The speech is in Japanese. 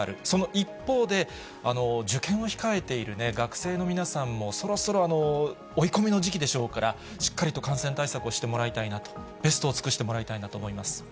その一方で、受験を控えている学生の皆さんも、そろそろ追い込みの時期でしょうから、しっかりと感染対策をしてもらいたいなと、ベストを尽くしてもらいたいなと思います。